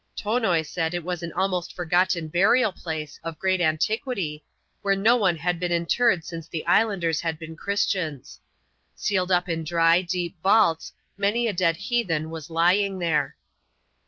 Tonoi said it was an almost forgotten burial place, of great antiquity, where no one had been interred since the islanders had been Christians. Sealed up in dry, deep vauk^ many a dead heathen was lying here.